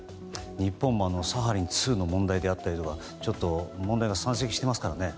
日本もサハリン２の問題であったりとか問題が山積していますからね。